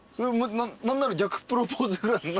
何なら逆プロポーズぐらいの。